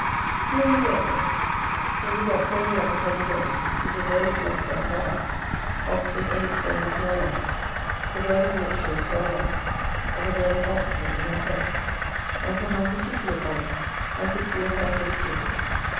Here we were, then, when we got fairly up upon the Wold, with the vale of Gloucester at our back, Oxford and its vale to our left, the vale of Wiltshire to our right, and the vale of Berkshire in our front: and from one particular point, I could see a part of each of them.